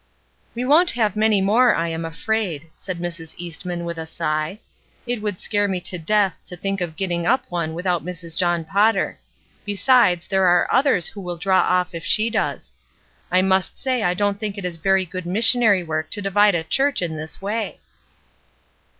"We won't have many more I am afraid," said Mrs. Eastman, with a sigh. "It would scare me to death to think of getting up one without Mrs. John Potter; besides, there are others who will draw off if she does. I must say I don't think it is very good missionary work to divide a church in this way!"